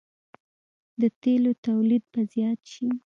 د تیلو تولید به زیات شي.